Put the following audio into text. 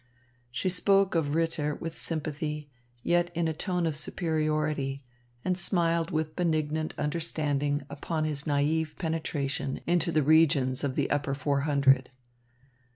She spoke of Ritter with sympathy, yet in a tone of superiority, and smiled with benignant understanding upon his naïve penetration into the regions of the Upper Four Hundred.